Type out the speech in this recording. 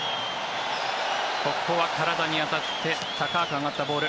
ここは体に当たって高く上がったボール。